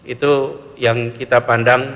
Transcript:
itu yang kita pandang